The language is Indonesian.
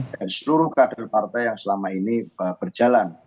dan seluruh kader partai yang selama ini berjalan